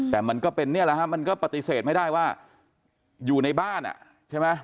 แต่มันก็เป็นเนี่ยแหละฮะมันก็ปฏิเสธไม่ได้ว่าอยู่ในบ้านอ่ะใช่ไหม